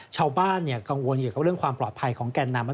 ชาวบ้านกังวลเกี่ยวกับเรื่องความปลอดภัยของแก่นนำ